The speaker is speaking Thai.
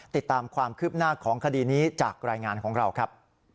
ติดตามความคืบหน้าของคดีนี้จากรายงานของเราครับ